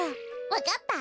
わかった？